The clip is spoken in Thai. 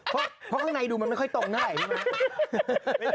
เพราะข้างในดูมันไม่ค่อยตรงไงพี่ม้า